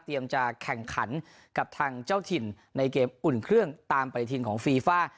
จะแข่งขันกับทางเจ้าถิ่นในเกมอุ่นเครื่องตามปฏิทินของฟีฟ่า